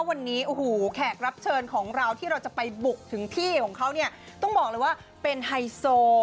วันนี้โอ้โหแขกรับเชิญของเราที่เราจะไปบุกถึงที่ของเขาเนี่ยต้องบอกเลยว่าเป็นไฮโซ